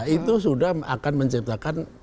itu sudah akan menciptakan